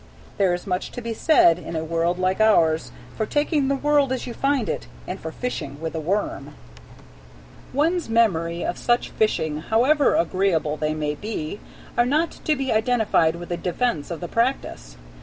There is much to be said, in a world like ours, for taking the world as you find it and for fishing with a worm. One's memories of such fishing, however agreeable they may be, are not to be identified with a defense of the practice.